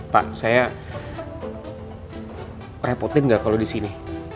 pak saya repotin nggak kalau di sini